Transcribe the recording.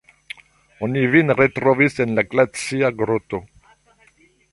Oni vin retrovis en la glacia groto.